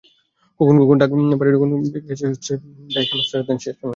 খোকন খোকন ডাক পাড়িখোকন গেছে কার বাড়িবাসুর মায়ের ঘরে যাইসে-মাই রাঁধেন শেষ সেমাই।